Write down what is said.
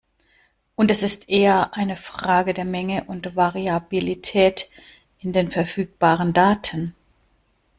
Und es ist eher eine Frage der Menge und Variabilität in den verfügbaren Daten.